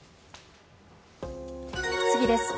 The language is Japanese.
次です。